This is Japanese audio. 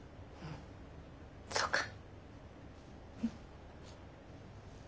そうか。